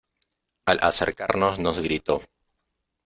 al acercarnos nos gritó: